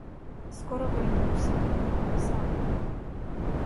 Скоро вернувся — сам.